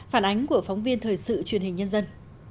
phản ánh của phóng viên thời sự truyền hình nhân dân